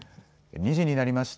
２時になりました。